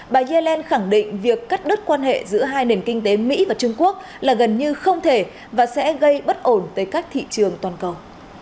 bà yellen khẳng định việc cắt đứt quan hệ giữa hai nền kinh tế mỹ và trung quốc là gần như không thể và sẽ gây bất ổn tới các thị trường toàn cầu